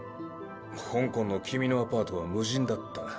ホンコンの君のアパートは無人だった。